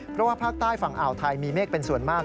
เพราะว่าภาคใต้ฝั่งอ่าวไทยมีเมฆเป็นส่วนมาก